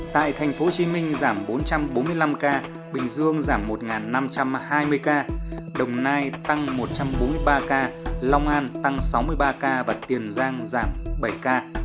tại tp hcm giảm bốn trăm bốn mươi năm ca bình dương giảm một năm trăm hai mươi ca đồng nai tăng một trăm bốn mươi ba ca long an tăng sáu mươi ba ca và tiền giang giảm bảy ca